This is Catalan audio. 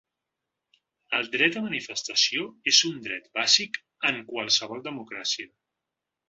El dret a manifestació és un dret bàsic en qualsevol democràcia.